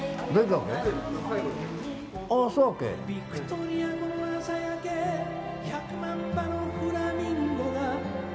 「ビクトリア湖の朝焼け１００万羽のフラミンゴが」